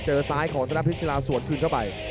เจอซ้ายของศรัตนาภิกษีลาสวนคืนเข้าไป